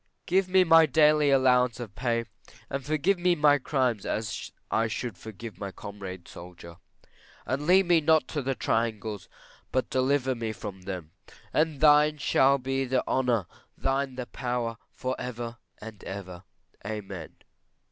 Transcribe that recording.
Give me my daily allowance of pay; and forgive me my crimes as I should forgive my comrade soldier. And lead me not to the triangles; but deliver me from them; and thine shall be the honour, thine the power, for ever and ever. Amen.